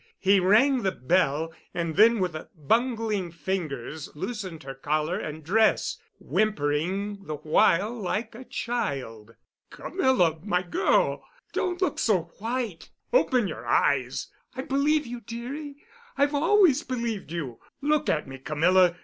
He rang the bell, and then with bungling fingers loosened her collar and dress, whimpering the while like a child. "Camilla, my girl, don't look so white. Open your eyes. I believe you, dearie; I've always believed you. Look at me, Camilla.